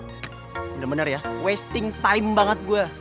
bener bener ya wasting time banget gue